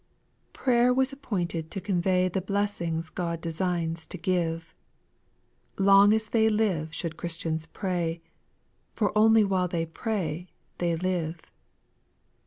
T)RAYER was appointed to convey Jl The blessings God designs to give ; Long as they live should Christians pray, ^or otiljr while they pray they live.